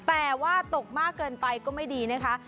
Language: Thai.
แต่ว่าตกมากเกินไปก็ไม่ดีนะคะ